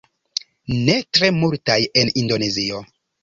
Ne tre multaj en indonezio